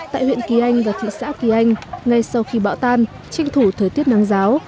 tại huyện kỳ anh và thị xã kỳ anh ngay sau khi bão tan tranh thủ thời tiết nắng giáo